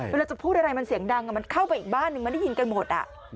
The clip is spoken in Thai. เวลาจะพูดอะไรมันเสียงดังมันเข้าไปอีกบ้านนึงมันได้ยินกันหมด